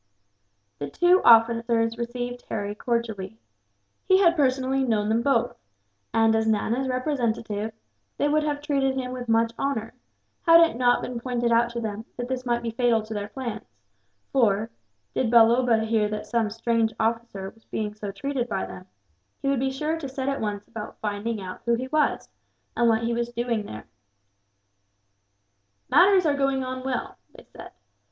The two officers received Harry cordially. He had personally known them both and, as Nana's representative, they would have treated him with much honour, had it not been pointed out to them that this might be fatal to their plans for, did Balloba hear that some strange officer was being so treated by them, he would be sure to set at once about finding out who he was, and what he was doing there. "Matters are going on well," they said.